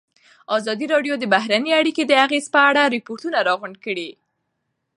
ازادي راډیو د بهرنۍ اړیکې د اغېزو په اړه ریپوټونه راغونډ کړي.